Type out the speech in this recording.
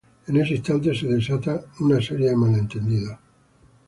En ese instante se desata una serie de malentendidos.